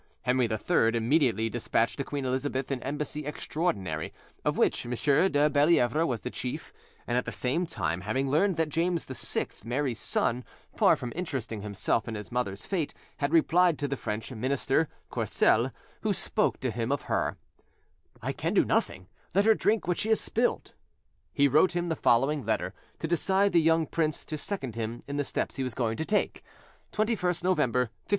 Henry III immediately despatched to Queen Elizabeth an embassy extraordinary, of which M. de Bellievre was the chief; and at the same time, having learned that James VI, Mary's son, far from interesting himself in his mother's fate, had replied to the French minister, Courcelles, who spoke to him of her, "I can do nothing; let her drink what she has spilled," he wrote him the following letter, to decide the young prince to second him in the steps he was going to take: "21st November, 1586.